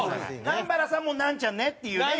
南原さんも「ナンちゃんね」っていうね。